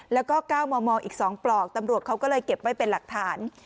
แล้วก็๙มมอีก๒ปลอกตำรวจเขาก็เลยเก็บไว้เป็นหลักฐาน